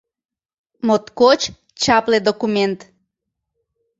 моткоч чапле документ.